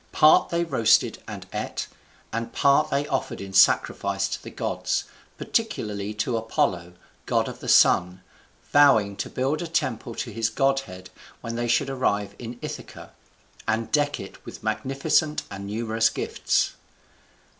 Part they roasted and eat, and part they offered in sacrifice to the gods, particularly to Apollo, god of the Sun, vowing to build a temple to his godhead when they should arrive in Ithaca, and deck it with magnificent and numerous gifts.